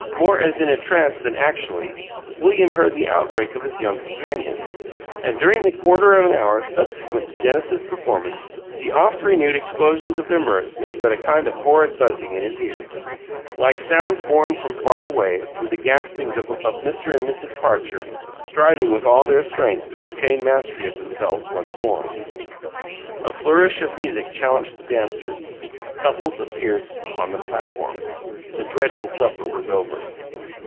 More as in a trance than actually William heard the outbreak of his young companions; and, during the quarter of an hour subsequent to Genesis's performance, the oft renewed explosions of their mirth made but a kind of horrid buzzing in his ears. Like sounds borne from far away were the gaspings of Mr. and Mrs. Parcher, striving with all their strength to obtain mastery of themselves once more. ... A flourish of music challenged the dancers. Couples appeared upon the platform. The dreadful supper was over.